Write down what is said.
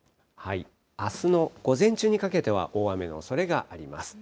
あすの午前中にかけては大雨のおそれがあります。